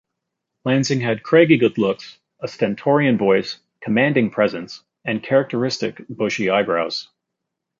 Lansing had craggy good looks, a stentorian voice, commanding presence, and characteristic bushy eyebrows.